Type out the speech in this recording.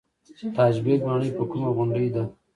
تاج بیګ ماڼۍ په کومه غونډۍ ده؟